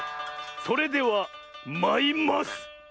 それではまいます！